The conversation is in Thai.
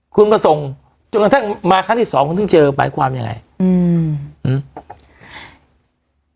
คุณมาส่งจนกระทั่งมาครั้งที่สองคุณถึงเจอหมายความยังไงอืมอืม